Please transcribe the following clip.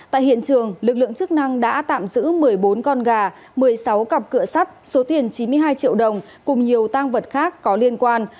tại hiện trường lực lượng chức năng đã tạm giữ một mươi bốn con gà một mươi sáu cặp cửa sắt số tiền chín mươi hai triệu đồng cùng nhiều tăng vật khác có liên quan